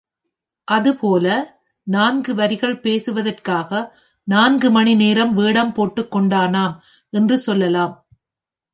அதுபோல, நான்கு வரிகள் பேசுவதற்காக நான்கு மணி நேரம் வேடம் போட்டுக் கொண்டானாம் என்று சொல்லலாம்.